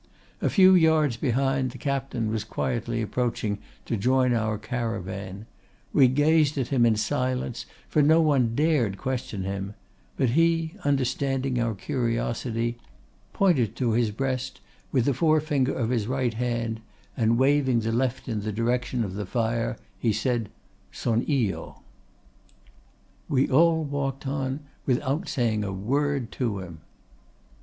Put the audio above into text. A few yards behind, the captain was quietly approaching to join our caravan; we gazed at him in silence, for no one dared question him; but he, understanding our curiosity, pointed to his breast with the forefinger of his right hand, and, waving the left in the direction of the fire, he said, 'Son'io.' "We all walked on without saying a word to him."